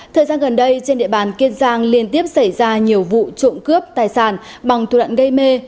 thời gian gần đây trên địa bàn kiên giang liên tiếp xảy ra nhiều vụ trộm cướp tài sản bằng thủ đoạn gây mê